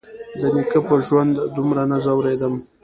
د نيکه په ژوند دومره نه ځورېدم.